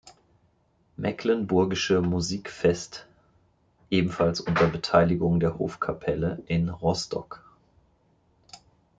Mecklenburgische Musikfest, ebenfalls unter Beteiligung der Hofkapelle, in Rostock.